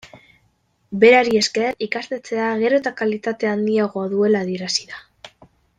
Berari esker, ikastetxea gero eta kalitate handiagoa duela adierazi da.